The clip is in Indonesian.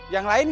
yang lain gitu